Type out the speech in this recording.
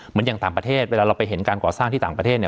อย่างต่างประเทศเวลาเราไปเห็นการก่อสร้างที่ต่างประเทศ